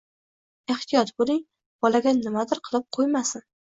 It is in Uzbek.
Ehtiyot bo`ling, bolaga nimadir qilib qo`ymasin